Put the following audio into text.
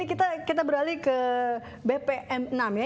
kita beralih ke bpm enam ya